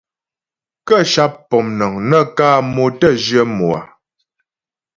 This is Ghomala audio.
Kə́ sháp pɔmnəŋ nə kǎ mo tə́ jyə mo á.